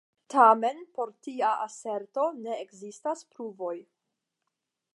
Tamen por tia aserto ne ekzistas pruvoj.